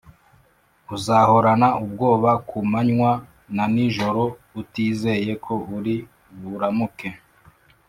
uzahorana ubwoba ku manywa na nijoro utizeye ko uri buramuke